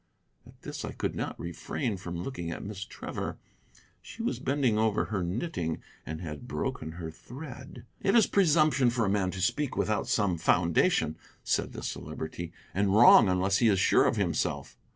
At this I could not refrain from looking at Miss Trevor. She was bending over her knitting and had broken her thread. "It is presumption for a man to speak without some foundation," said the Celebrity, "and wrong unless he is sure of himself."